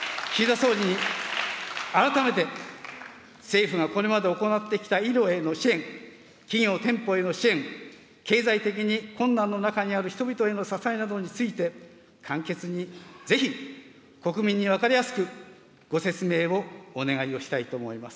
総理に改めて政府がこれまで行ってきた医療への支援、企業・店舗への支援、経済的に困難の中にある人々への支えなどについて、簡潔に、ぜひ国民に分かりやすくご説明をお願いをしたいと思います。